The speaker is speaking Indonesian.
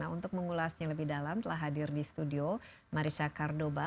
untuk mengulasnya lebih dalam telah hadir di studio marisha kardoba